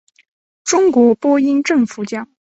中国播音政府奖。